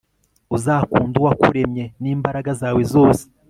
uzakunde uwakuremye n'imbaraga zawe zose